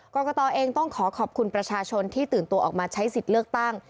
กรกตเองต้องขอขอบคุณประชาชนที่ตื่นตัวออกมาใช้สิทธิ์เลือกตั้ง